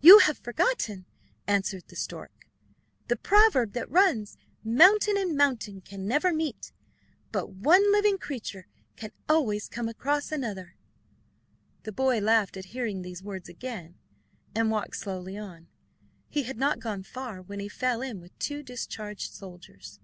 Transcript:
"You have forgotten," answered the stork, "the proverb that runs, 'mountain and mountain can never meet, but one living creature can always come across another.'" The boy laughed at hearing these words again, and walked slowly on. He had not gone far, when he fell in with two discharged soldiers.